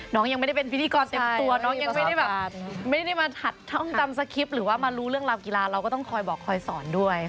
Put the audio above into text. ยังไม่ได้เป็นพิธีกรเต็มตัวน้องยังไม่ได้แบบไม่ได้มาถัดท่องจำสคริปต์หรือว่ามารู้เรื่องราวกีฬาเราก็ต้องคอยบอกคอยสอนด้วย